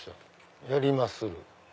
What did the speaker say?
やりまする。